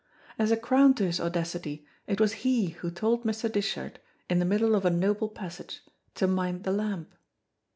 As a crown to his audacity, it was he who told Mr. Dishart, in the middle of a noble passage, to mind the lamp.